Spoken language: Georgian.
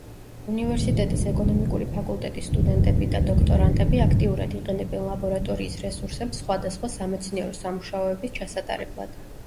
უნივერსიტეტის ეკონომიკური ფაკულტეტის სტუდენტები და დოქტორანტები აქტიურად იყენებენ ლაბორატორიის რესურსებს სხვადასხვა სამეცნიერო სამუშაოების ჩასატარებლად.